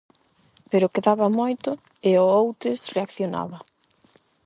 Pero quedaba moito e o Outes reaccionaba.